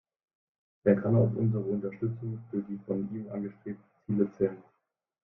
Er kann auf unsere Unterstützung für die von ihm angestrebten Ziele zählen.